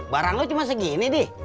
barang lo cuma segini deh